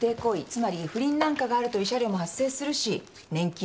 つまり不倫なんかがあると慰謝料も発生するし年金ももらえる。